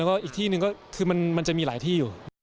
แล้วก็อีกที่หนึ่งก็คือมันจะมีหลายที่อยู่